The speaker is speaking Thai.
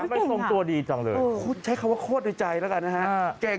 ไม่สมตัวดีจังเลยใช้คำว่าโคตรในใจนะใคร